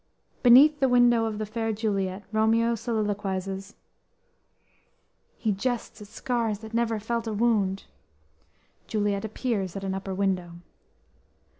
Beneath the window of the fair Juliet, Romeo soliloquizes: "He jests at scars, that never felt a wound (Juliet appears at an upper window.)